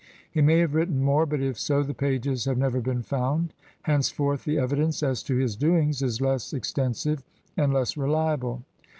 He may have written more, but if so the pages have never been found. Henceforth the evidence as to his doings is less extensive and less reliable.